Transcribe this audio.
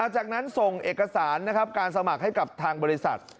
จากนั้นส่งเอกสารนะครับการสมัครให้กับทางบริษัท